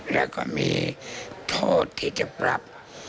แล้วก็มีโทษที่จะปรับ